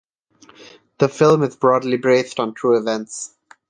The film is broadly based on true events.